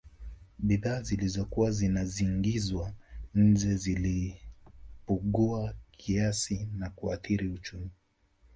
Bidhaa zilizokuwa zinazingizwa nje zilipugua kiasi cha kuathiri uchumi